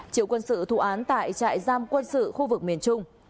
chịu quân sự thù án tại trại giam quân sự khu vực miền trung